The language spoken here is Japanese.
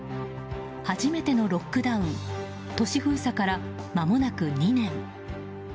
初めてのロックダウン都市封鎖から、まもなく２年。